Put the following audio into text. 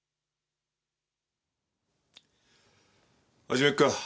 始めっか。